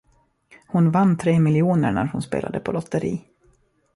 Hon vann tre miljoner när hon spelade på lotteri.